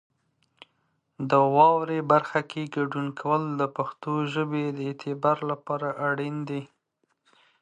د واورئ برخه کې ګډون کول د پښتو ژبې د اعتبار لپاره اړین دي.